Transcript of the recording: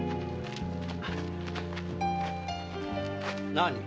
何？